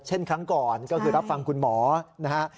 ครั้งก่อนก็คือรับฟังคุณหมอนะฮะ